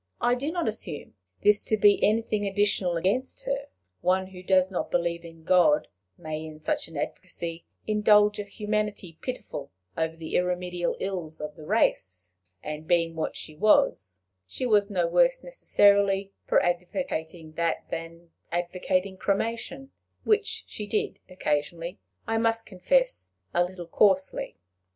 I do not assume this to be anything additional against her; one who does not believe in God, may in such an advocacy indulge a humanity pitiful over the irremediable ills of the race; and, being what she was, she was no worse necessarily for advocating that than for advocating cremation, which she did occasionally, I must confess, a little coarsely.